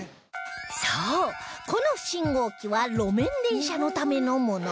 そうこの信号機は路面電車のためのもの